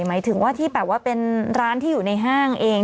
หมายถึงว่าที่แบบว่าเป็นร้านที่อยู่ในห้างเอง